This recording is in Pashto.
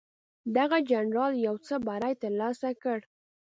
دغه جنرال یو څه بری ترلاسه کړ.